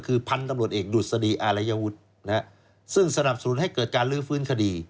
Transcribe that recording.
คือพันธุ์ตำรวจเอกดุษฎีอารัยวุฒิซึ่งสนับสนุนให้เกิดการลื้อฟื้นคดี